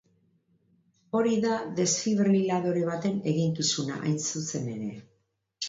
Hori da desfibriladore baten eginkizuna, hain zuzen ere.